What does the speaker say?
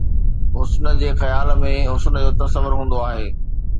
حُسن جي خيال ۾ حسن جو تصور هوندو آهي